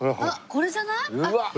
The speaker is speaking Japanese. これじゃない？